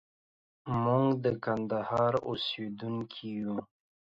موږ د کندهار اوسېدونکي يو.